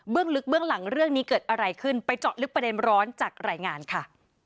ลึกเบื้องหลังเรื่องนี้เกิดอะไรขึ้นไปเจาะลึกประเด็นร้อนจากรายงานค่ะ